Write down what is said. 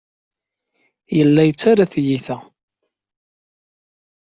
Yella yettarra tiyita.